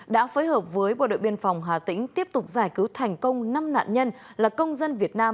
đã phối hợp với bộ đội biên phòng hà tĩnh tiếp tục giải cứu thành công năm nạn nhân là công dân việt nam